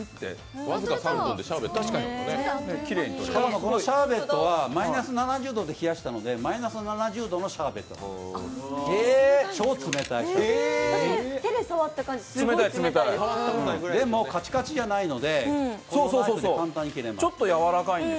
このシャーベットはマイナス７０度で冷やしたのでマイナス７０度のシャーベットなんです。